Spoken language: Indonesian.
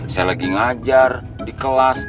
saya lagi ngajar di kelas